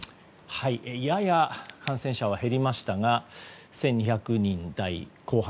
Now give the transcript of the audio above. やや感染者は減りましたが１２００人台後半。